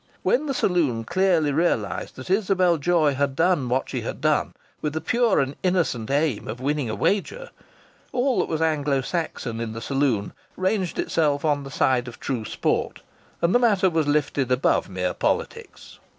When the saloon clearly realized that Isabel Joy had done what she had done with the pure and innocent aim of winning a wager, all that was Anglo Saxon in the saloon ranged itself on the side of true sport, and the matter was lifted above mere politics.